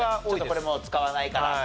これもう使わないから。